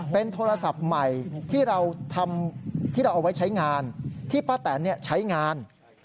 เป็นโทรศัพท์ใหม่ที่เราเอาไว้ใช้งานที่ป้าแตนเนี่ยใช้งาน